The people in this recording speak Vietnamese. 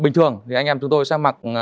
bình thường thì anh em chúng tôi sẽ mặc